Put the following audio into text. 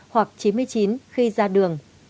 chín mươi bốn hoặc chín mươi chín khi ra đường